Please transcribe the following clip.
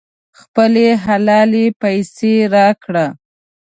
خپلې حلالې پیسې راکړه.